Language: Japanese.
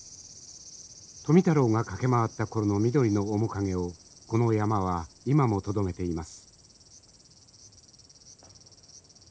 富太郎が駆け回った頃の緑の面影をこの山は今もとどめています。